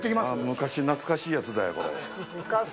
昔懐かしいやつだよ、これ。